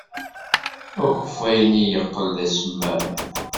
Akeffay-nni yeqqel d asemmam.